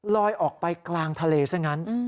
ออกไปกลางทะเลซะงั้น